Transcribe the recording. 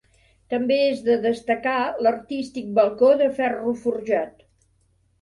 També és de destacar l'artístic balcó de ferro forjat.